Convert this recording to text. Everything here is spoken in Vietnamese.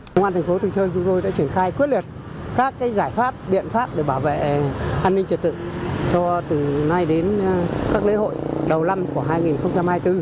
công an tp tq đã triển khai quyết liệt các giải pháp biện pháp để bảo vệ an ninh trật tự cho từ nay đến các lễ hội đầu năm của hai nghìn hai mươi bốn